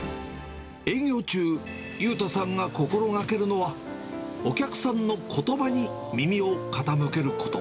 営業中、祐太さんが心がけるのは、お客さんのことばに耳を傾けること。